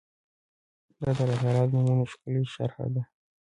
دا د الله تعالی د نومونو ښکلي شرح ده